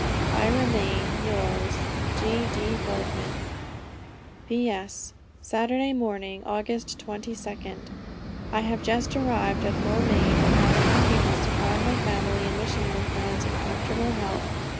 "I remain, yours, "G.D. Boardman "P.S. Saturday Morning, August 22d. I have just arrived at Maulmain, and have the happiness to find my family and missionary friends in comfortable health.